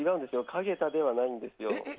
かげたではないんですよ。